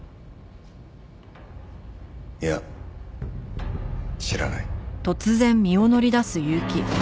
いや知らない。